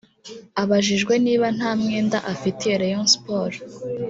Abajijwe niba nta mwenda afitiye Rayon Sports